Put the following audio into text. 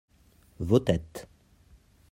vos têtes.